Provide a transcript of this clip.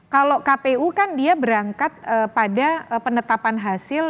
kalau kpu kan dia berangkat pada penetapan hasil